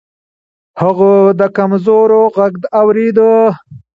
هغه د کمزورو غږ اورېده.